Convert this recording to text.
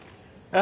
あ